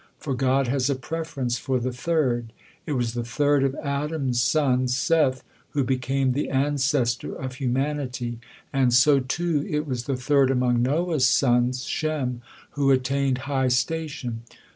For God has a preference for "the third": It was the third of Adam's sons, Seth, who became the ancestor of humanity, and so too it was the third among Noah's sons, Shem, who attained high station.